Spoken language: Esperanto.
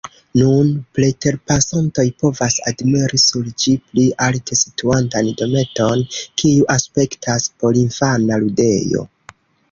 Nun preterpasantoj povas admiri sur ĝi pli alte situantan dometon, kiu aspektas porinfana ludejo.